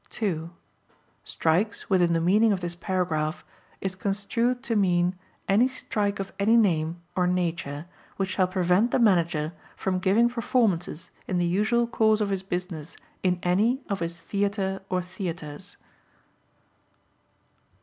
(2) Strikes, within the meaning of this Paragraph, is construed to mean any strike of any name or nature which shall prevent the Manager from giving performances in the usual course of his business in any of his theatre or theatres.